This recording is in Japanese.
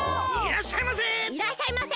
いらっしゃいませ！